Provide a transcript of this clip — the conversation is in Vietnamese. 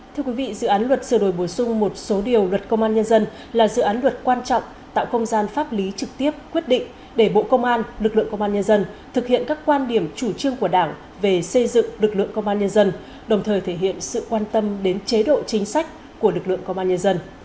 thưa quý vị dự án luật sửa đổi bổ sung một số điều luật công an nhân dân là dự án luật quan trọng tạo không gian pháp lý trực tiếp quyết định để bộ công an lực lượng công an nhân dân thực hiện các quan điểm chủ trương của đảng về xây dựng lực lượng công an nhân dân đồng thời thể hiện sự quan tâm đến chế độ chính sách của lực lượng công an nhân dân